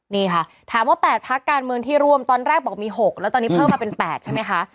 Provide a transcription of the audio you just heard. นี่ค่ะถามว่า๘พักการเมืองที่ร่วมตอนแรกบอกมี๖แล้วตอนนี้เพิ่มมาเป็น๘ใช่ไหมคะ